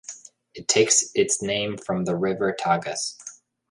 It takes its name from the river Tagus.